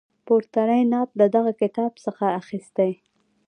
پورتنی نعت له دغه کتاب څخه اخیستی.